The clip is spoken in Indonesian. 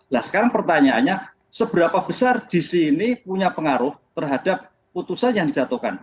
nah sekarang pertanyaannya seberapa besar gc ini punya pengaruh terhadap putusan yang dijatuhkan